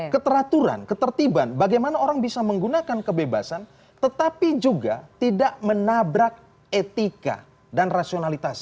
keteraturan ketertiban bagaimana orang bisa menggunakan kebebasan tetapi juga tidak menabrak etika dan rasionalitas